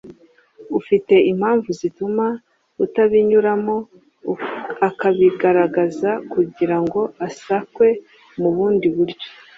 ufite impamvu zituma atabinyuramo akabigaragaza kugira ngo asakwe mu bundi buryo